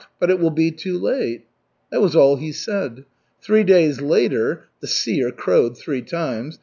but it will be too late!" That was all he said. Three days later (the seer crowed three times!)